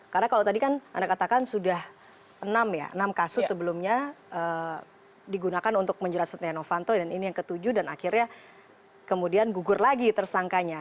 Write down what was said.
karena kalau tadi kan anda katakan sudah enam ya enam kasus sebelumnya digunakan untuk menjerat setia novanto dan ini yang ketujuh dan akhirnya kemudian gugur lagi tersangkanya